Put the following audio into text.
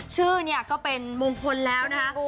ชื่อเนี่ยเป็นมงคนแล้วนะ